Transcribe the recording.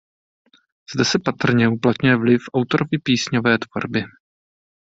Zde se patrně uplatňuje vliv autorovy písňové tvorby.